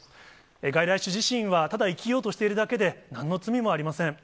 外来種自身はただ生きようとしているだけで、なんの罪もありません。